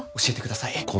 教えてください。